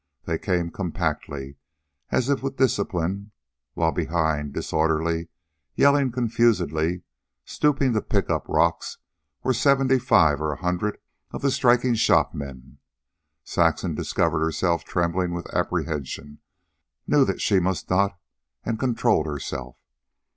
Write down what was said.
They came compactly, as if with discipline, while behind, disorderly, yelling confusedly, stooping to pick up rocks, were seventy five or a hundred of the striking shopmen. Saxon discovered herself trembling with apprehension, knew that she must not, and controlled herself.